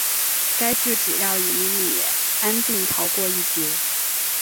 该剧主要以米安定逃过一劫。